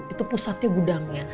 itu pusatnya gudangnya